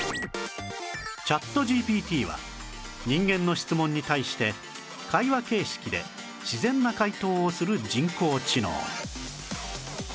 チャット ＧＰＴ は人間の質問に対して会話形式で自然な回答をする人工知能